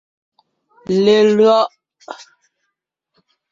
Lelÿɔ’.